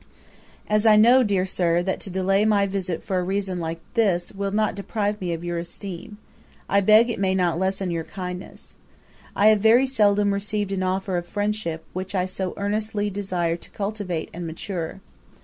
'As I know, dear Sir, that to delay my visit for a reason like this, will not deprive me of your esteem, I beg it may not lessen your kindness. I have very seldom received an offer of friendship which I so earnestly desire to cultivate and mature.